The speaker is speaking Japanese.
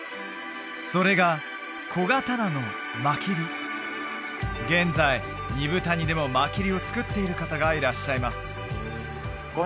それが小刀のマキリ現在二風谷でもマキリを作っている方がいらっしゃいます